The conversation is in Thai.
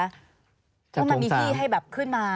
เพราะมันมีที่ให้แบบขึ้นมา